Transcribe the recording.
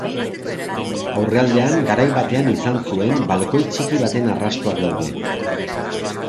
Aurrealdean, garai batean izan zuen balkoi txiki baten arrastoak daude.